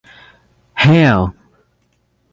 Hail!